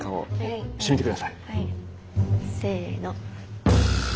せの。